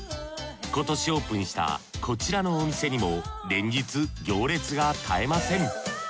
今年オープンしたこちらのお店にも連日行列が絶えません。